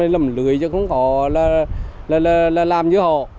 làm lưỡi chứ không có là làm như họ